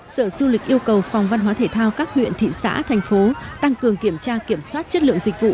sở du lịch yêu cầu phòng văn hóa thể thao các huyện thị xã thành phố tăng cường kiểm tra kiểm soát chất lượng dịch vụ